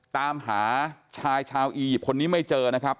ตามหาชายชาวอียิปต์คนนี้ไม่เจอนะครับ